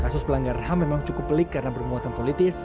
kasus pelanggaran ham memang cukup pelik karena bermuatan politis